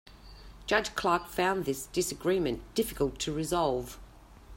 Judge Clark found this disagreement difficult to resolve.